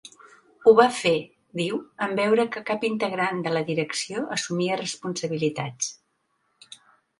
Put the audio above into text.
Ho va fer, diu, en veure que cap integrant de la direcció assumia responsabilitats.